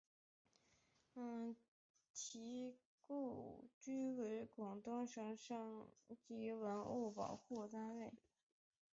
其故居为广东省省级文物保护单位。